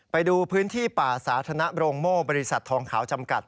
ไปดูพื้นที่ป่าสาธารณะโรงโม่บริษัททองขาวจำกัด